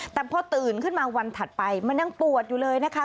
แต่พอตื่นขึ้นมาวันถัดไปมันยังปวดอยู่เลยนะคะ